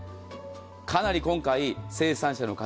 かなり今回、生産者の方